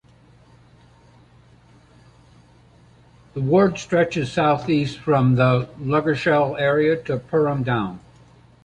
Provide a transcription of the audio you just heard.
The ward stretches south east from the "Ludgershall" area to Perham Down.